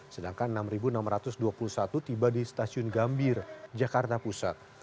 sedangkan enam enam ratus dua puluh satu tiba di stasiun gambir jakarta pusat